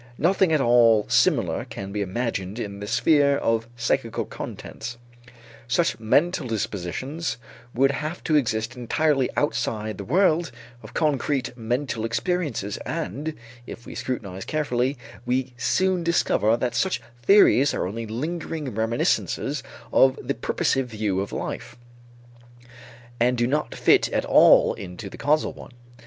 Nothing at all similar can be imagined in the sphere of psychical contents. Such mental dispositions would have to exist entirely outside the world of concrete mental experiences and, if we scrutinize carefully, we soon discover that such theories are only lingering reminiscences of the purposive view of life, and do not fit at all into the causal one.